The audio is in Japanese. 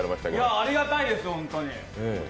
ありがたいです、ホントに。